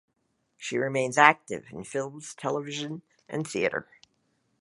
She remains active in films, television and theatre.